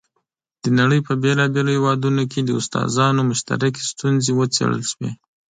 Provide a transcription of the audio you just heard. د نړۍ په بېلابېلو هېوادونو کې د استادانو مشترکې ستونزې وڅېړل شوې.